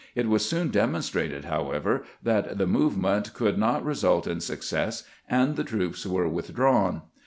It was soon demonstrated, however, that the movement could not result in success, and the troops were withdrawn.